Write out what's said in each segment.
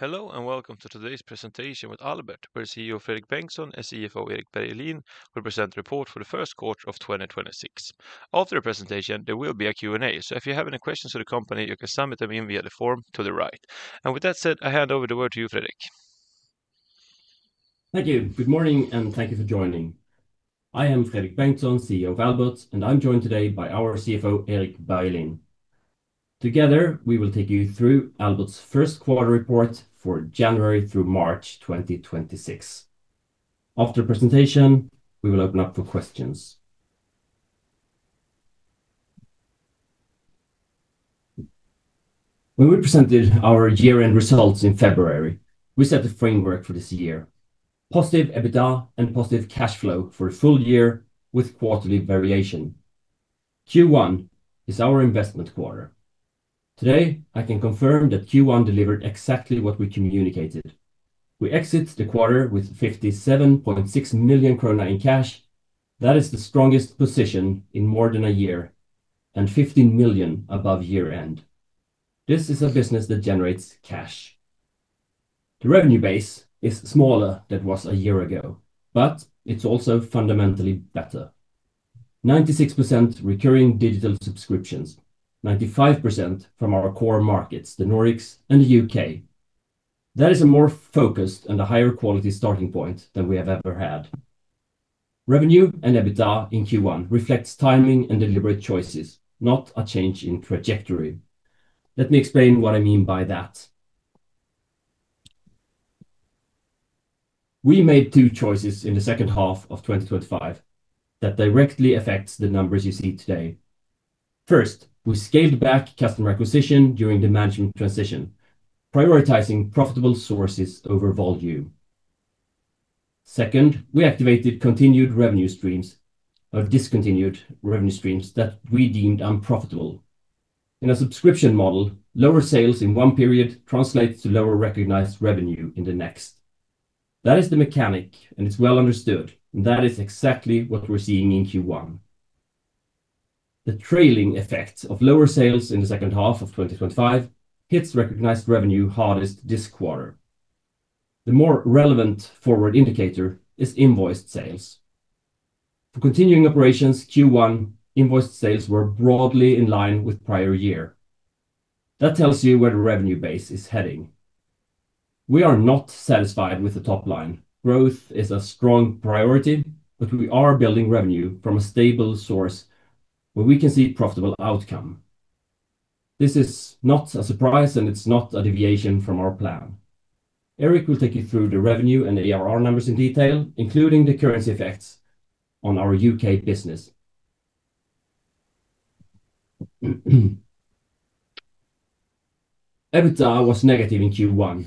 Hello, and welcome to today's presentation with Albert, where CEO Fredrik Bengtsson and CFO Erik Bergelin will present the report for the first quarter of 2026. After the presentation, there will be a Q&A. If you have any questions for the company, you can submit them via the form to the right. With that said, I hand over the word to you, Fredrik. Thank you. Good morning, and thank you for joining. I am Fredrik Bengtsson, CEO of Albert, and I'm joined today by our CFO, Erik Bergelin. Together, we will take you through Albert's first quarter report for January through March 2026. After the presentation, we will open up for questions. When we presented our year-end results in February, we set the framework for this year. Positive EBITDA and positive cash flow for a full year with quarterly variation. Q1 is our investment quarter. Today, I can confirm that Q1 delivered exactly what we communicated. We exit the quarter with 57.6 million krona in cash. That is the strongest position in more than a year and 15 million above year-end. This is a business that generates cash. The revenue base is smaller than it was a year ago, but it's also fundamentally better. 96% recurring digital subscriptions, 95% from our core markets, the Nordics and the U.K. That is a more focused and a higher quality starting point than we have ever had. Revenue and EBITDA in Q1 reflects timing and deliberate choices, not a change in trajectory. Let me explain what I mean by that. We made two choices in the second half of 2025 that directly affects the numbers you see today. First, we scaled back customer acquisition during the management transition, prioritizing profitable sources over volume. Second, we activated continued revenue streams or discontinued revenue streams that we deemed unprofitable. In a subscription model, lower sales in one period translates to lower recognized revenue in the next. That is the mechanic, and it's well understood, and that is exactly what we're seeing in Q1. The trailing effect of lower sales in the second half of 2025 hits recognized revenue hardest this quarter. The more relevant forward indicator is invoiced sales. For continuing operations Q1, invoiced sales were broadly in line with prior year. That tells you where the revenue base is heading. We are not satisfied with the top line. Growth is a strong priority, but we are building revenue from a stable source where we can see profitable outcome. This is not a surprise, and it's not a deviation from our plan. Erik will take you through the revenue and ARR numbers in detail, including the currency effects on our U.K. business. EBITDA was negative in Q1.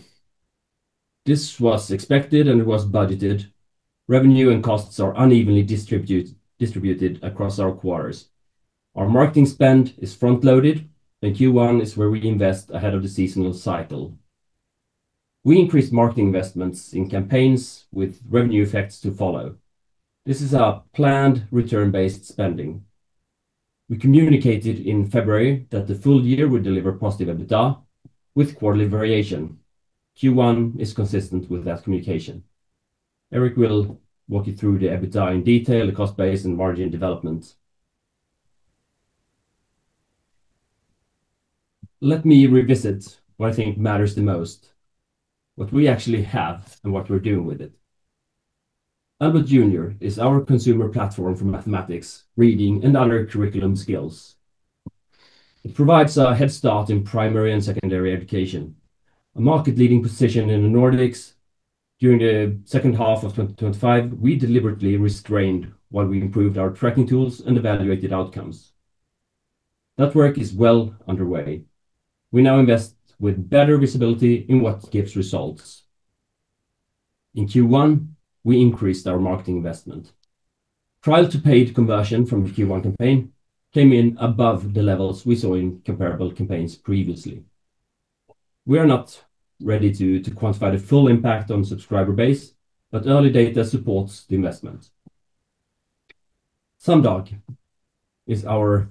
This was expected, and it was budgeted. Revenue and costs are unevenly distributed across our quarters. Our marketing spend is front-loaded, and Q1 is where we invest ahead of the seasonal cycle. We increased marketing investments in campaigns with revenue effects to follow. This is our planned return-based spending. We communicated in February that the full year would deliver positive EBITDA with quarterly variation. Q1 is consistent with that communication. Erik will walk you through the EBITDA in detail, the cost base and margin development. Let me revisit what I think matters the most, what we actually have and what we're doing with it. Albert Junior is our consumer platform for mathematics, reading, and other curriculum skills. It provides a head start in primary and secondary education, a market-leading position in the Nordics. During the second half of 2025, we deliberately restrained while we improved our tracking tools and evaluated outcomes. That work is well underway. We now invest with better visibility in what gives results. In Q1, we increased our marketing investment. Trial-to-paid conversion from the Q1 campaign came in above the levels we saw in comparable campaigns previously. We are not ready to quantify the full impact on subscriber base, but early data supports the investment. Sumdog is our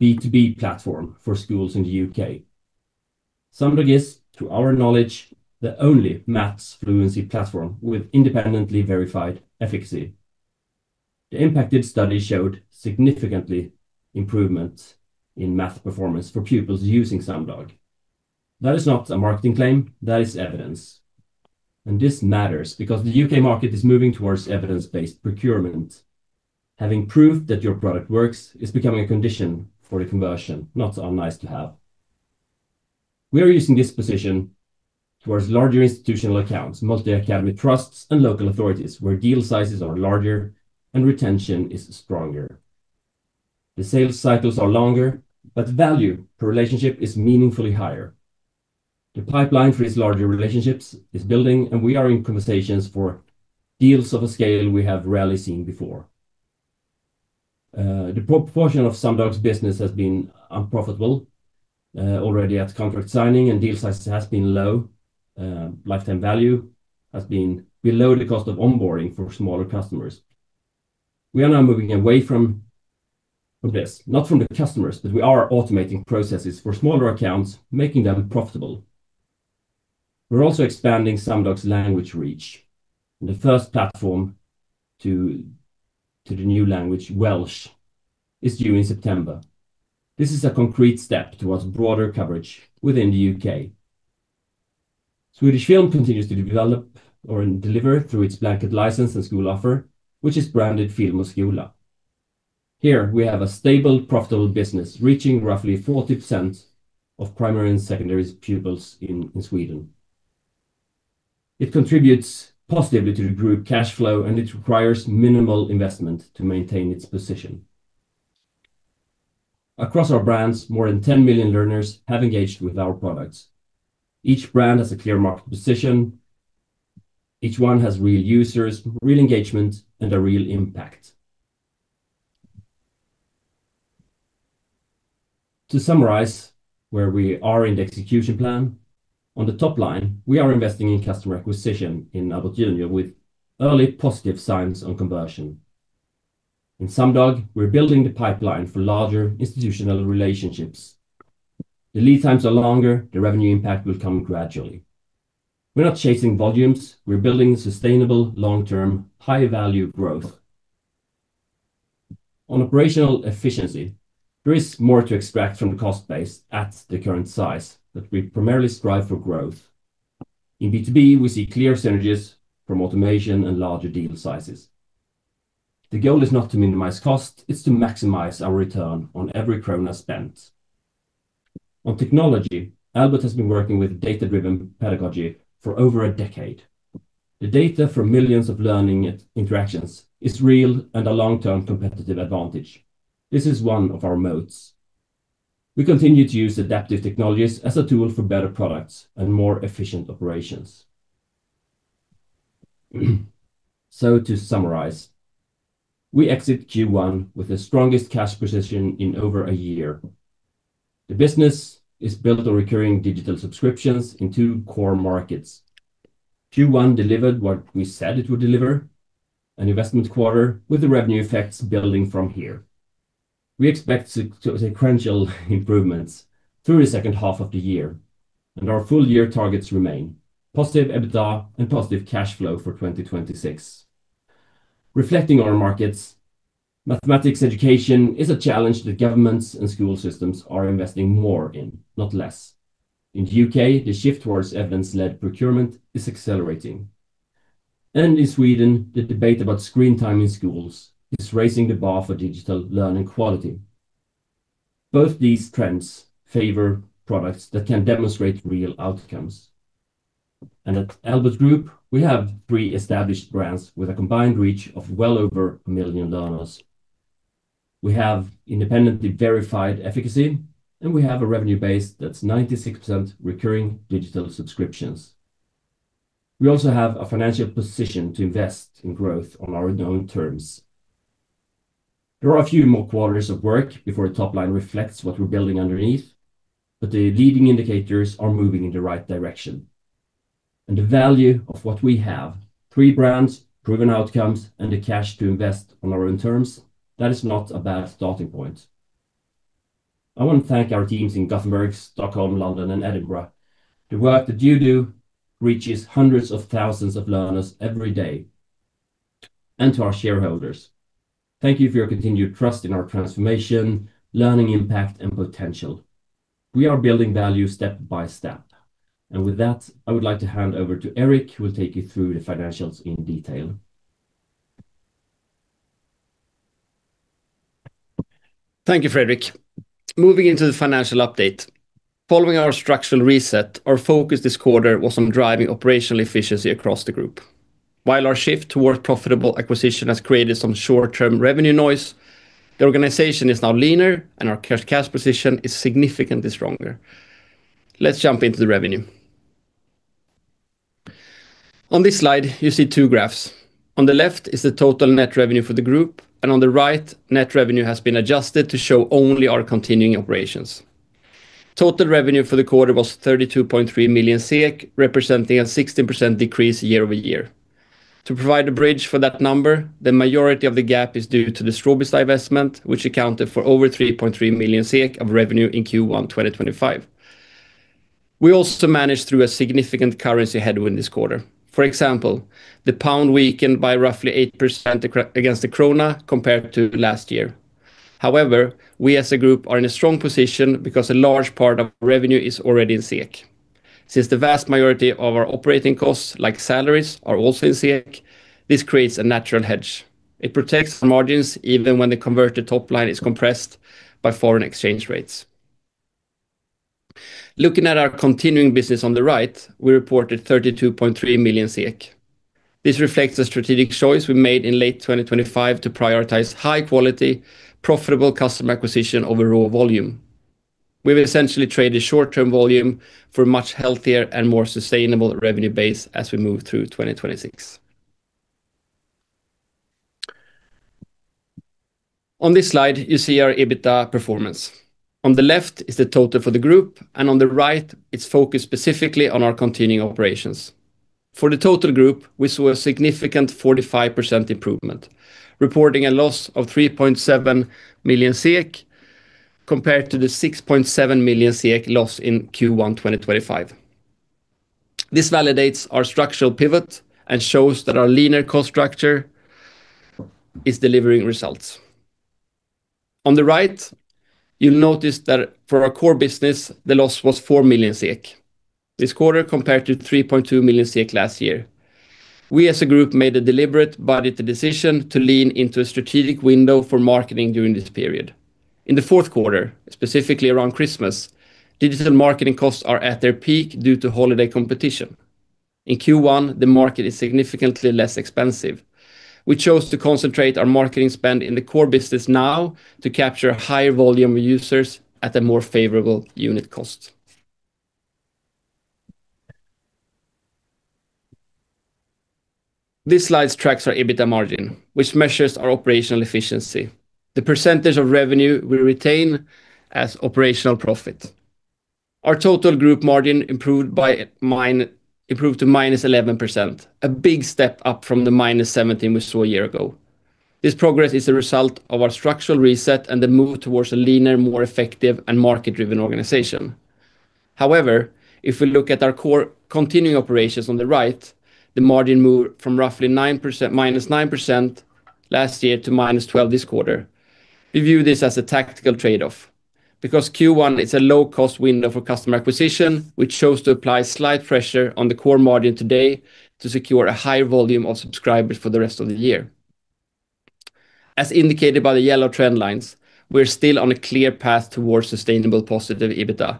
B2B platform for schools in the U.K. Sumdog is, to our knowledge, the only math fluency platform with independently verified efficacy. The impact study showed significant improvement in math performance for pupils using Sumdog. That is not a marketing claim, that is evidence, and this matters because the U.K. market is moving towards evidence-based procurement. Having proof that your product works is becoming a condition for the conversion, not a nice-to-have. We are using this position towards larger institutional accounts, multi-academy trusts and local authorities, where deal sizes are larger and retention is stronger. The sales cycles are longer, but value per relationship is meaningfully higher. The pipeline for these larger relationships is building, and we are in conversations for deals of a scale we have rarely seen before. The proportion of Sumdog's business has been unprofitable, already at contract signing and deal size has been low. Lifetime value has been below the cost of onboarding for smaller customers. We are now moving away from this. Not from the customers, but we are automating processes for smaller accounts, making them profitable. We're also expanding Sumdog's language reach. The first platform to the new language, Welsh, is due in September. This is a concrete step towards broader coverage within the U.K. Swedish Film continues to develop or deliver through its blanket license and school offer, which is branded Film och Skola. Here, we have a stable, profitable business reaching roughly 40% of primary and secondary pupils in Sweden. It contributes positively to the group cash flow, and it requires minimal investment to maintain its position. Across our brands, more than 10 million learners have engaged with our products. Each brand has a clear market position. Each one has real users, real engagement, and a real impact. To summarize where we are in the execution plan, on the top line, we are investing in customer acquisition in Albert Junior with early positive signs on conversion. In Sumdog, we're building the pipeline for larger institutional relationships. The lead times are longer, the revenue impact will come gradually. We're not chasing volumes, we're building sustainable, long-term, high-value growth. On operational efficiency, there is more to extract from the cost base at the current size, though we primarily strive for growth. In B2B, we see clear synergies from automation and larger deal sizes. The goal is not to minimize cost, it's to maximize our return on every krona spent. On technology, Albert has been working with data-driven pedagogy for over a decade. The data from millions of learning interactions is real and a long-term competitive advantage. This is one of our moats. We continue to use adaptive technologies as a tool for better products and more efficient operations. To summarize, we exit Q1 with the strongest cash position in over a year. The business is built on recurring digital subscriptions in two core markets. Q1 delivered what we said it would deliver, an investment quarter with the revenue effects building from here. We expect sequential improvements through the second half of the year, and our full-year targets remain positive EBITDA and positive cash flow for 2026. Reflecting on our markets, mathematics education is a challenge that governments and school systems are investing more in, not less. In the U.K., the shift towards evidence-led procurement is accelerating. In Sweden, the debate about screen time in schools is raising the bar for digital learning quality. Both these trends favor products that can demonstrate real outcomes. At Albert Group, we have three established brands with a combined reach of well over a million learners. We have independently verified efficacy, and we have a revenue base that's 96% recurring digital subscriptions. We also have a financial position to invest in growth on our own terms. There are a few more quarters of work before the top line reflects what we're building underneath, but the leading indicators are moving in the right direction. The value of what we have, three brands, proven outcomes, and the cash to invest on our own terms, that is not a bad starting point. I want to thank our teams in Gothenburg, Stockholm, London, and Edinburgh. The work that you do reaches hundreds of thousands of learners every day. To our shareholders, thank you for your continued trust in our transformation, learning impact, and potential. We are building value step by step. With that, I would like to hand over to Erik, who will take you through the financials in detail. Thank you, Fredrik. Moving into the financial update. Following our structural reset, our focus this quarter was on driving operational efficiency across the group. While our shift towards profitable acquisition has created some short-term revenue noise, the organization is now leaner and our cash position is significantly stronger. Let's jump into the revenue. On this slide, you see two graphs. On the left is the total net revenue for the group, and on the right, net revenue has been adjusted to show only our continuing operations. Total revenue for the quarter was 32.3 million SEK, representing a 16% decrease year-over-year. To provide a bridge for that number, the majority of the gap is due to the Strawbees divestment, which accounted for over 3.3 million SEK of revenue in Q1 2025. We also managed through a significant currency headwind this quarter. For example, the GBP weakened by roughly 8% against the krona compared to last year. However, we as a group are in a strong position because a large part of revenue is already in SEK. Since the vast majority of our operating costs, like salaries, are also in SEK, this creates a natural hedge. It protects the margins even when the converted top line is compressed by foreign exchange rates. Looking at our continuing business on the right, we reported 32.3 million. This reflects a strategic choice we made in late 2025 to prioritize high quality, profitable customer acquisition over raw volume. We've essentially traded short-term volume for a much healthier and more sustainable revenue base as we move through 2026. On this slide, you see our EBITDA performance. On the left is the total for the group, and on the right, it's focused specifically on our continuing operations. For the total group, we saw a significant 45% improvement, reporting a loss of 3.7 million SEK compared to the 6.7 million SEK loss in Q1 2025. This validates our structural pivot and shows that our leaner cost structure is delivering results. On the right, you'll notice that for our core business, the loss was 4 million SEK this quarter compared to 3.2 million SEK last year. We as a group made a deliberate decision to lean into a strategic window for marketing during this period. In the fourth quarter, specifically around Christmas, digital marketing costs are at their peak due to holiday competition. In Q1, the market is significantly less expensive. We chose to concentrate our marketing spend in the core business now to capture higher volume users at a more favorable unit cost. This slide tracks our EBITDA margin, which measures our operational efficiency, the percentage of revenue we retain as operational profit. Our total group margin improved to -11%, a big step up from the -17% we saw a year ago. This progress is a result of our structural reset and the move toward a leaner, more effective, and market-driven organization. However, if we look at our core continuing operations on the right, the margin moved from roughly -9% last year to -12% this quarter. We view this as a tactical trade-off. Because Q1 is a low-cost window for customer acquisition, we chose to apply slight pressure on the core margin today to secure a higher volume of subscribers for the rest of the year. As indicated by the yellow trend lines, we're still on a clear path towards sustainable positive EBITDA,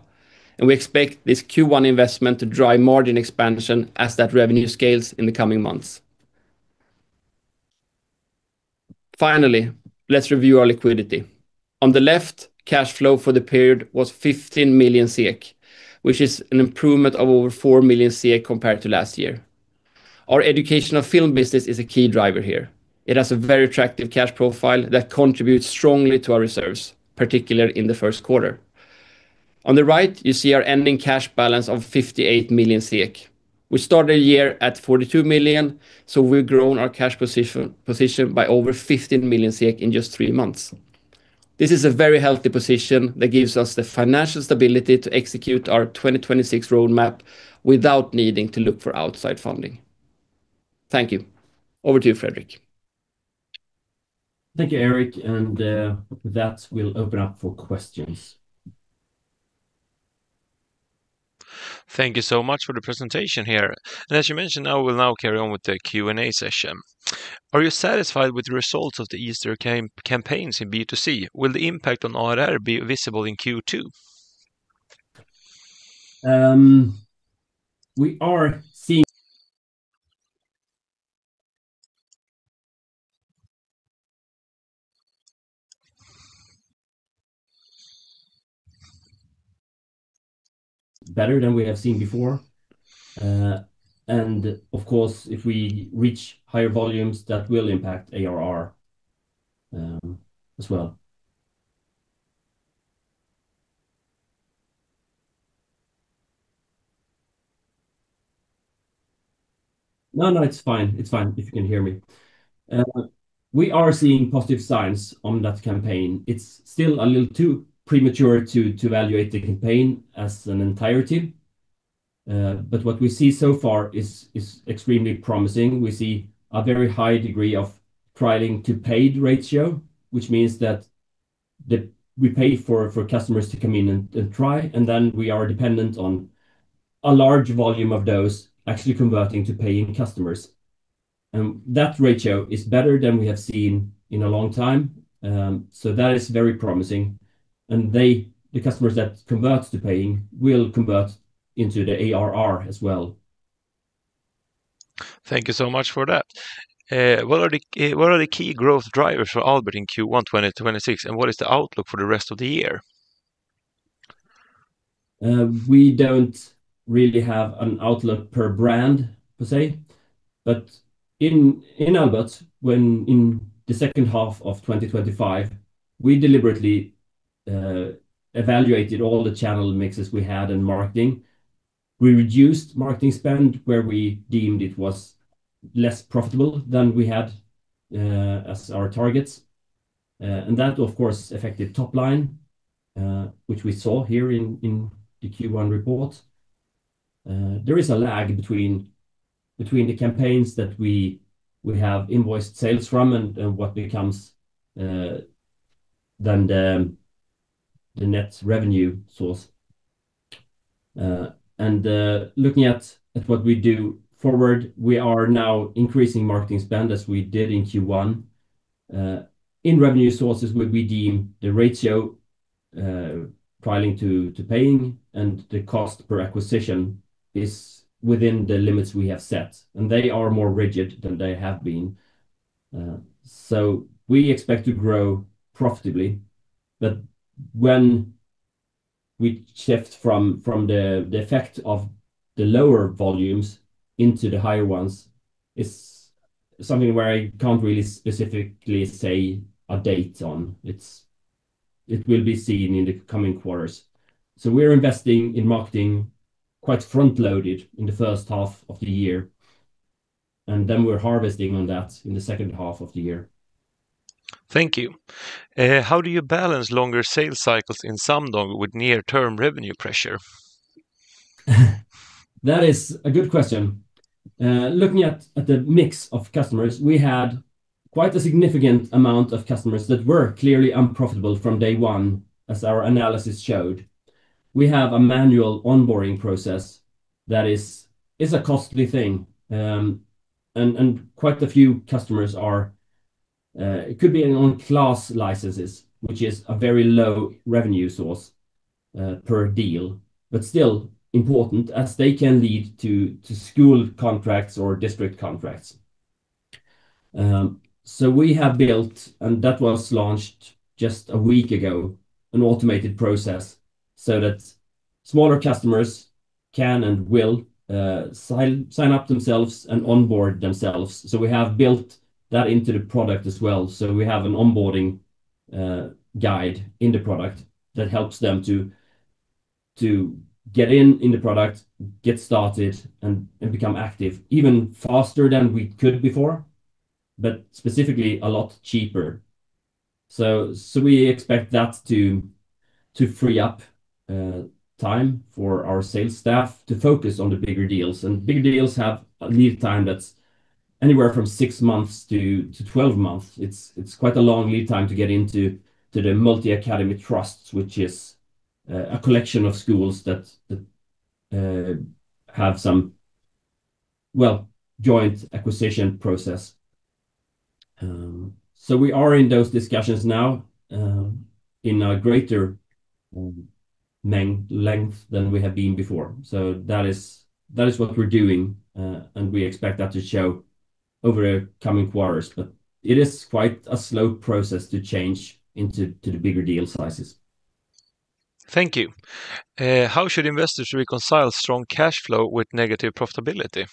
and we expect this Q1 investment to drive margin expansion as that revenue scales in the coming months. Finally, let's review our liquidity. On the left, cash flow for the period was 15 million SEK, which is an improvement of over 4 million SEK compared to last year. Our educational film business is a key driver here. It has a very attractive cash profile that contributes strongly to our reserves, particularly in the first quarter. On the right, you see our ending cash balance of 58 million. We started the year at 42 million, so we've grown our cash position by over 15 million in just three months. This is a very healthy position that gives us the financial stability to execute our 2026 roadmap without needing to look for outside funding. Thank you. Over to you, Fredrik. Thank you, Erik, and that will open up for questions. Thank you so much for the presentation here. As you mentioned, I will now carry on with the Q&A session. Are you satisfied with the results of the Easter campaigns in B2C? Will the impact on ARR be visible in Q2? We are seeing better than we have seen before. Of course, if we reach higher volumes, that will impact ARR, as well. No, no, it's fine. It's fine if you can hear me. We are seeing positive signs on that campaign. It's still a little too premature to evaluate the campaign in its entirety. What we see so far is extremely promising. We see a very high degree of trialing to paid ratio, which means that we pay for customers to come in and try, and then we are dependent on a large volume of those actually converting to paying customers. That ratio is better than we have seen in a long time. That is very promising. They, the customers that convert to paying will convert into the ARR as well. Thank you so much for that. What are the key growth drivers for Albert in Q1, 2026, and what is the outlook for the rest of the year? We don't really have an outlook per brand per se, but in Albert, when in the second half of 2025, we deliberately evaluated all the channel mixes we had in marketing. We reduced marketing spend where we deemed it was less profitable than we had as our targets. That of course affected top line, which we saw here in the Q1 report. There is a lag between the campaigns that we have invoiced sales from and what becomes then the net revenue source. Looking at what we do forward, we are now increasing marketing spend as we did in Q1 in revenue sources where we deem the ratio trialing to paying and the cost per acquisition is within the limits we have set, and they are more rigid than they have been. We expect to grow profitably. When we shift from the effect of the lower volumes into the higher ones is something where I can't really specifically say a date on. It will be seen in the coming quarters. We're investing in marketing quite front-loaded in the first half of the year, and then we're harvesting on that in the second half of the year. Thank you. How do you balance longer sales cycles in Sumdog with near-term revenue pressure? That is a good question. Looking at the mix of customers, we had quite a significant amount of customers that were clearly unprofitable from day one, as our analysis showed. We have a manual onboarding process that is a costly thing. Quite a few customers are on class licenses, which is a very low revenue source per deal, but still important as they can lead to school contracts or district contracts. We have built, and that was launched just a week ago, an automated process so that smaller customers can and will sign up themselves and onboard themselves. We have built that into the product as well. We have an onboarding guide in the product that helps them to get in the product, get started, and become active even faster than we could before, but specifically a lot cheaper. We expect that to free up time for our sales staff to focus on the bigger deals. Bigger deals have a lead time that's anywhere from 6 months-12 months. It's quite a long lead time to get into the multi-academy trusts, which is a collection of schools that have some joint acquisition process. We are in those discussions now, in a greater length than we have been before. That is what we're doing, and we expect that to show over the coming quarters. It is quite a slow process to change into the bigger deal sizes. Thank you. How should investors reconcile strong cash flow with negative profitability?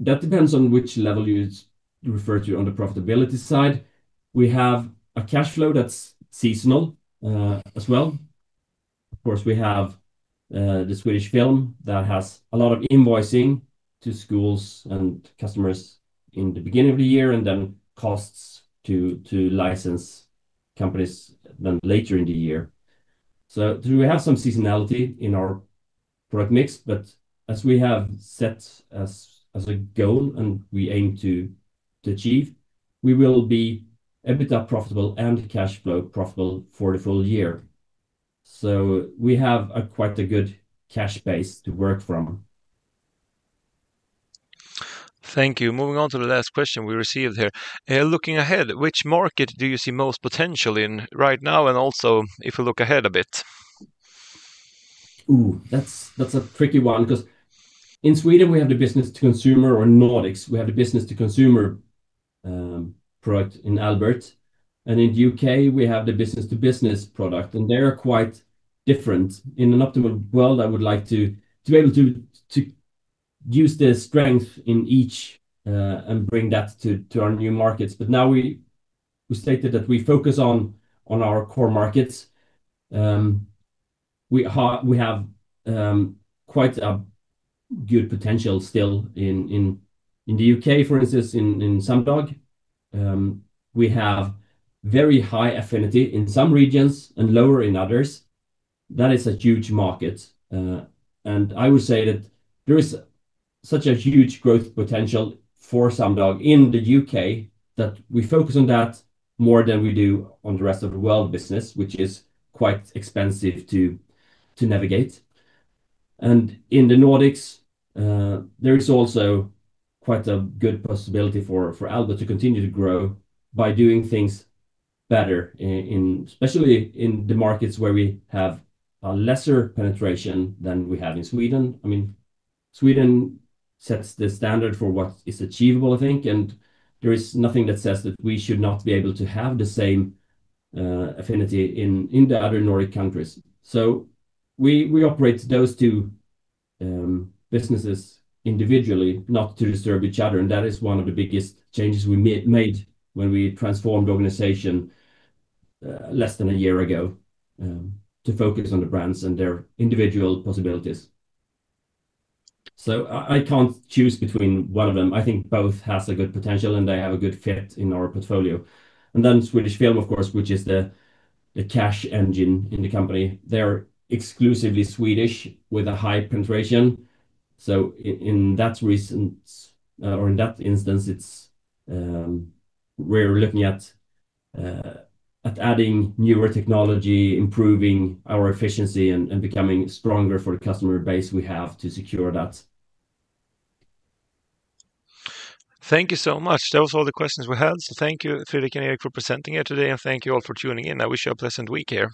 That depends on which level you refer to on the profitability side. We have a cash flow that's seasonal, as well. Of course, we have the Swedish Film that has a lot of invoicing to schools and customers in the beginning of the year, and then costs to license companies then later in the year. We have some seasonality in our product mix, but as we have set as a goal and we aim to achieve, we will be EBITDA profitable and cash flow profitable for the full year. We have a quite good cash base to work from. Thank you. Moving on to the last question we received here. Looking ahead, which market do you see most potential in right now, and also if you look ahead a bit? Ooh, that's a tricky one 'cause in Sweden we have the business to consumer or Nordics. We have the business to consumer product in Albert, and in U.K. we have the business to business product, and they are quite different. In an optimal world, I would like to be able to use the strength in each and bring that to our new markets. Now we stated that we focus on our core markets. We have quite a good potential still in the U.K., for instance, in Sumdog. We have very high affinity in some regions and lower in others. That is a huge market. I would say that there is such a huge growth potential for Sumdog in the U.K. that we focus on that more than we do on the rest of the world business, which is quite expensive to navigate. In the Nordics, there is also quite a good possibility for Albert to continue to grow by doing things better, especially in the markets where we have a lesser penetration than we have in Sweden. I mean, Sweden sets the standard for what is achievable, I think, and there is nothing that says that we should not be able to have the same affinity in the other Nordic countries. We operate those two businesses individually not to disturb each other, and that is one of the biggest changes we made when we transformed the organization less than a year ago to focus on the brands and their individual possibilities. I can't choose between one of them. I think both has a good potential, and they have a good fit in our portfolio. Swedish Film, of course, which is the cash engine in the company. They're exclusively Swedish with a high penetration. In that instance, it's we're looking at adding newer technology, improving our efficiency, and becoming stronger for the customer base we have to secure that. Thank you so much. Those are all the questions we had. Thank you, Fredrik and Erik, for presenting here today, and thank you all for tuning in. I wish you a pleasant week here.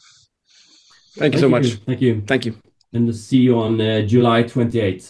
Thank you so much. Thank you. Thank you. See you on July 28th.